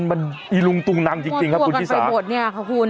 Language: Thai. มันอิรุงตุงนังจริงครับคุณชิสามันตัวกันไปบทเนี่ยขอบคุณ